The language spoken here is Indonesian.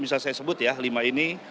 bisa saya sebut ya lima ini